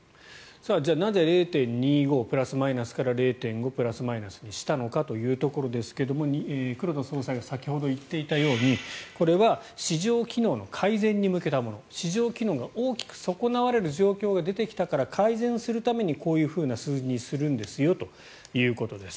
じゃあ、なぜ０．２５プラスマイナスから０．５プラスマイナスにしたのかというところですが黒田総裁が先ほど言っていたようにこれは市場機能の改善に向けたもの市場機能が大きく損なわれる状況が出てきたから改善するためにこういう数字にするんですよということです。